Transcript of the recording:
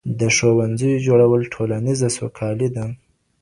د ښوونځیو جوړول ټولنیزه سوکالي ده.